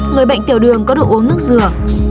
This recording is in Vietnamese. người bệnh tiểu đường có đồ uống nước dừa